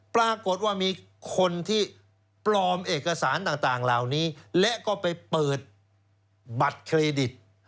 ปรากฏว่ามีคนที่ปลอมเอกสารต่างเหล่านี้และก็ไปเปิดบัตรเครดิต